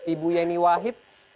ibu yeni wahid